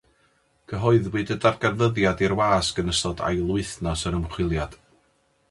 Cyhoeddwyd y darganfyddiad i'r wasg yn ystod ail wythnos yr ymchwiliad.